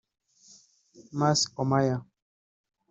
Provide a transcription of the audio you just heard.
Mas Oyama